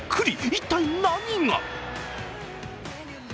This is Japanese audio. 一体何が？